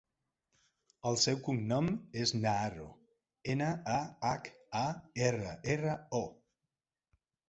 El seu cognom és Naharro: ena, a, hac, a, erra, erra, o.